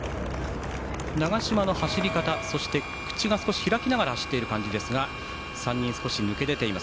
長嶋の走り方、口が少し開いて走っている感じですが３人少し抜け出ています。